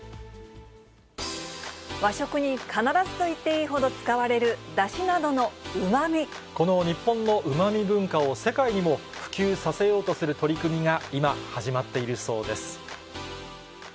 和食に必ずと言っていいほどこの日本のうまみ文化を、世界にも普及させようとする取り組みが今、始まっているそうです。